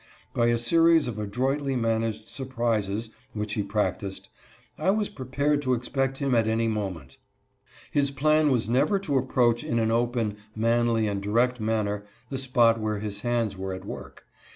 By a series of adroitly managed sur prises which he practiced, I was prepared to expect him at any moment. His plan was never to approach in an open, manly and direct manner the spot where his hands were at work.